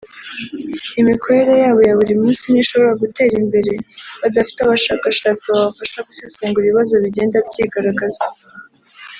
Imikorere yabo ya buri munsi ntishobora gutera imbere badafite abashakashatsi babafasha gusesengura ibibazo bigenda byigaragaza